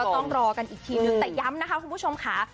ต้องรอกันอีกทีนึงแต่ย้ำนะคะคุณผู้ชมค่ะ